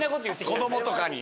子供とかに。